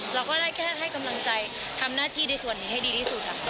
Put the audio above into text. เราก็ได้แค่ให้กำลังใจทำหน้าที่ในส่วนนี้ให้ดีที่สุดค่ะ